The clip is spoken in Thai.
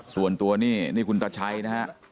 ส่วนตัวนี่นี่คุณตาชัยนะฮะ